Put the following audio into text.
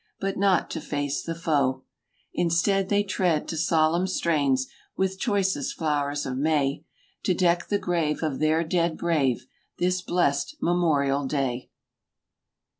But not to face the foe; Instead, they tread to solemn strains. With choicest flowers of May— X To deck the grave of their dead brave, This blest Memorial Day.